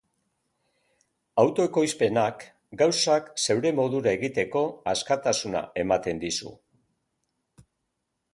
Autoekoizpenak gauzak zeure modura egiteko askatasuna ematen dizu.